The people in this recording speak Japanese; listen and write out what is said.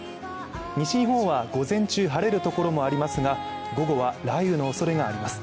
西日本は午前中晴れるところもありますが午後は雷雨のおそれがあります。